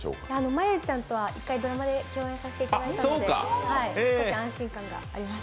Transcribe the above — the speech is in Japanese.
真悠ちゃんとは一回ドラマで共演させてもらったことがあるんで、安心感があります。